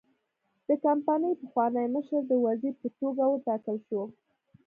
د کمپنۍ پخوانی مشر د وزیر په توګه وټاکل شو.